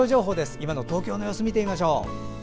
今の東京の様子、見てみましょう。